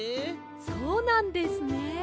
そうなんですね。